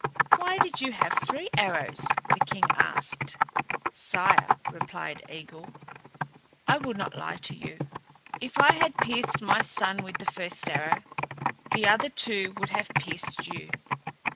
"Why did you have three arrows?" the king asked. "Sire," replied Eigil, "I will not lie to you. If I had pierced my son with the first arrow, the other two would have pierced you."